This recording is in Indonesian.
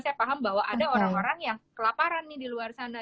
saya paham bahwa ada orang orang yang kelaparan nih di luar sana